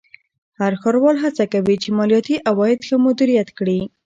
هر ښاروال هڅه کوي چې مالیاتي عواید ښه مدیریت کړي.